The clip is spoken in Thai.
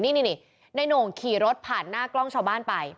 นี่นายโหน่งขี่รถผ่านหน้ากล้องชาวบ้านไป